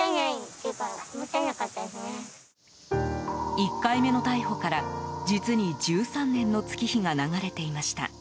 １回目の逮捕から、実に１３年の月日が流れていました。